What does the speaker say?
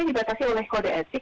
dibatasi oleh kode etik